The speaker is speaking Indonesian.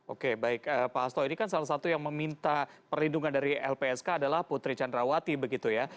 oke baik pak hasto ini kan salah satu yang meminta perlindungan dari lpsk adalah putri candrawati begitu ya